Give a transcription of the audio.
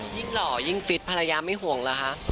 ยิ่งหล่อยิ่งฟิตต์ภาระย้ำไม่ห่วงเหรอฮะ